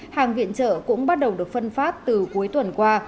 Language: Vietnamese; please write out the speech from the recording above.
hàng viện trợ cũng bắt đầu được phân phát từ cuối tuần qua